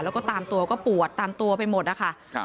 แล้วก็ตามตัวก็ปวดตามตัวไปหมดนะคะ